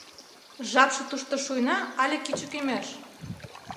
Жапше тушто шуйна але кӱчыкемеш?..